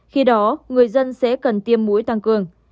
khi đó người dân sẽ cần tiêm mũi tăng cường